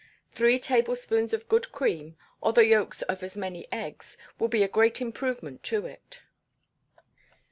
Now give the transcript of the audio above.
Three tablespoonfuls of good cream, or the yolks of as many eggs, will be a great improvement to it.